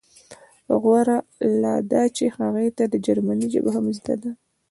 غوره لا دا چې هغې ته جرمني ژبه هم زده ده